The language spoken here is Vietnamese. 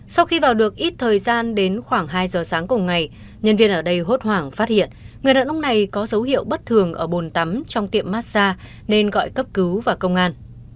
sau khi vào được ít thời gian đến khoảng hai giờ sáng cùng ngày nhân viên ở đây hốt hoảng phát hiện người đàn ông này có dấu hiệu bất thường ở bồn tắm trong tiệm massage nên gọi cấp cứu và công an